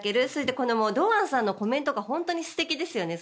この堂安さんのコメントが素晴らしいですよね。